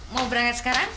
mau berangkat sekarang